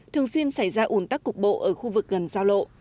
thường xuyên xảy ra ủn tắc cục bộ ở khu vực gần giao lộ